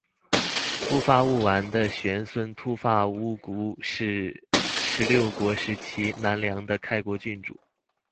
秃发务丸的玄孙秃发乌孤是十六国时期南凉的开国君主。